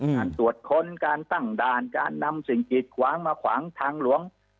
การตรวจค้นการตั้งด่านการนำสิ่งกีดขวางมาขวางทางหลวง